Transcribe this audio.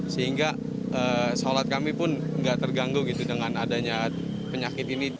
sehingga sholat kami pun nggak terganggu gitu dengan adanya penyakit ini